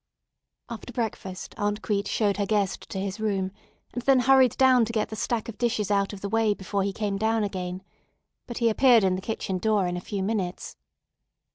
After breakfast Aunt Crete showed her guest to his room, and then hurried down to get the stack of dishes out of the way before he came down again. But he appeared in the kitchen door in a few minutes.